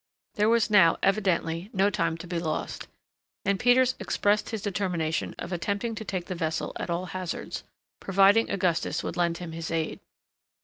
There was now, evidently, no time to be lost, and Peters expressed his determination of attempting to take the vessel at all hazards, provided Augustus would lend him his aid.